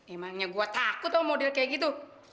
emangnya gue takut sama model kayak gitu